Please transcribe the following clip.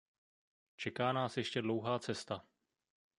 Čeká nás ještě dlouhá cesta.